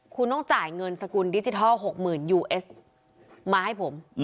คุณต้องจ่ายเงินสกุลดิจิทัล๖๐๐๐ยูเอสมาให้ผม